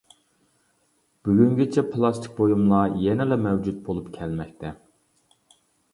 بۈگۈنگىچە پىلاستىك بۇيۇملار يەنىلا مەۋجۇت بولۇپ كەلمەكتە.